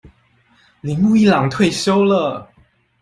鈴木一朗退休了